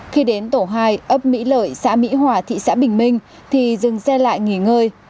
khi đến tổ hai ấp mỹ lợi xã mỹ hòa thị xã bình minh thì dừng xe lại nghỉ ngơi